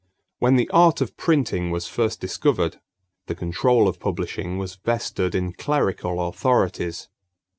When the art of printing was first discovered, the control of publishing was vested in clerical authorities.